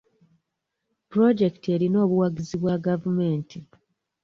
Puloojekiti erina obuwagizi bwa gavumenti.